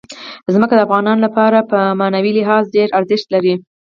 ځمکه د افغانانو لپاره په معنوي لحاظ ډېر زیات ارزښت لري.